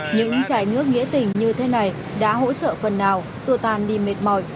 những trái nước nghĩa tình như thế này đã hỗ trợ phần nào xua tan đi mệt mỏi